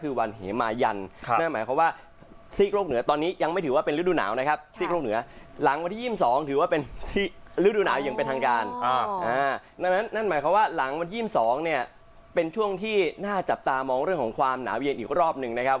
ดังนั้นนั่นหมายความว่าหลังวันที่๒๒เนี่ยเป็นช่วงที่น่าจับตามองเรื่องของความหนาวเย็นอีกรอบหนึ่งนะครับ